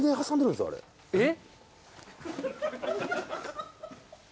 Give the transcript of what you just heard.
えっ？